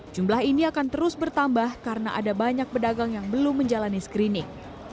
jumlah ini akan terus bertambah karena ada banyak pedagang yang belum menjalani screening